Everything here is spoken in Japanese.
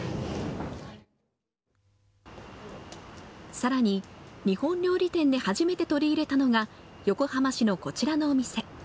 さらに、日本料理店で初めて取り入れたのが横浜市のこちらのお店。